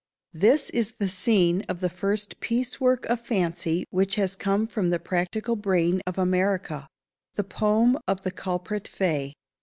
This is the scene of the first piece work of fancy which has come from the practical brain of America,—the poem of The Culprit Fay.